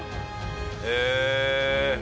へえ。